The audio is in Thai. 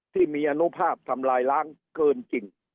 ที่มีอนุภาพทำลายล้างเกินจริง